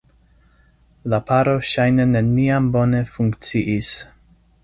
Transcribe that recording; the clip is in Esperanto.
La paro ŝajne neniam bone funkciis.